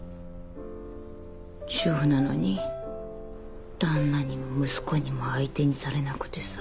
主婦なのに旦那にも息子にも相手にされなくてさ。